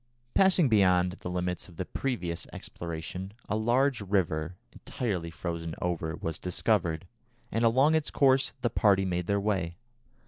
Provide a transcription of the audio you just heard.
Passing beyond the limits of the previous exploration, a large river, entirely frozen over, was discovered, and along its course the party made their way.